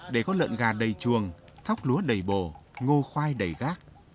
để có lợn gà đầy chuồng thóc lúa đầy bồ ngô khoai đầy gác